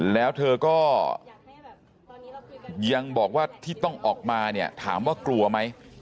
แล้วเธอก็ยังบอกว่าที่ต้องออกมาเนี่ยถามว่ากลัวไหม